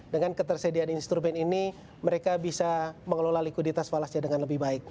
dengan ketersediaan instrumen ini mereka bisa mengelola likuiditas falasnya dengan lebih baik